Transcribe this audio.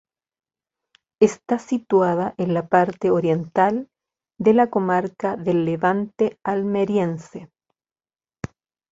Está situada en la parte oriental de la comarca del Levante Almeriense.